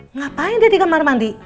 ngapain dia di kamar mandi